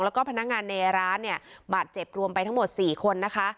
แล้วก็พนักงานในร้านเนี่ยบาดเจ็บรวมไปทั้งหมด๔คนนะคะ